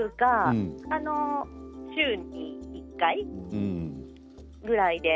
週に１回ぐらいで。